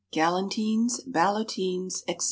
GALANTINES, BALLOTINES, ETC.